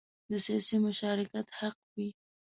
د سیاسي مشارکت حق وي.